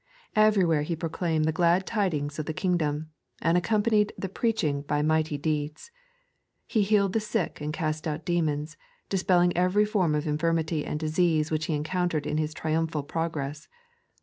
Eveiywhere He proclaimed the Glad Tidings of the Sing dom, and accompanied the preaching by mighty deeds. He healed the sick and cast out demons, dispelling every form of infirmity and disease which He encountered in His triumphal progress.